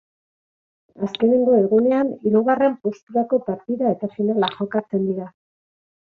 Azkenengo egunean hirugarren posturako partida eta finala jokatzen dira.